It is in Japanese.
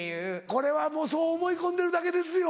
これはもうそう思い込んでるだけですよ。